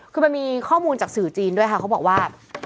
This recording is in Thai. คือมันมีข้อมูลจากสื่อจีนด้วยค่ะเขาบอกว่า